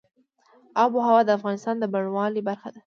آب وهوا د افغانستان د بڼوالۍ برخه ده.